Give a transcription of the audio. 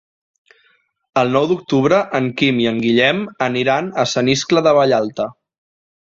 El nou d'octubre en Quim i en Guillem aniran a Sant Iscle de Vallalta.